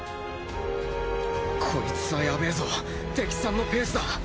コイツはヤベえぞ敵さんのペースだ。